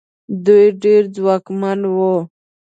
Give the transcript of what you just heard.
دوی ډېر ځواکمن وو.